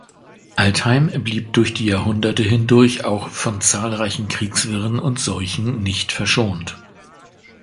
Altheim blieb durch die Jahrhunderte hindurch auch von zahlreichen Kriegswirren und Seuchen nicht verschont.